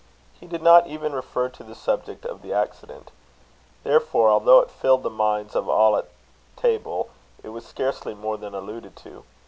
He did not even refer to the subject of the accident. Therefore, although it filled the minds of all at table, it was scarcely more than alluded to.